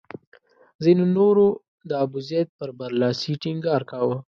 ځینو نورو د ابوزید پر برلاسي ټینګار کاوه.